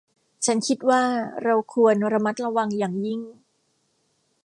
ฉันคิดว่าเราควรระมัดระวังอย่างยิ่ง